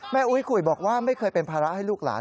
อุ๊ยขุยบอกว่าไม่เคยเป็นภาระให้ลูกหลาน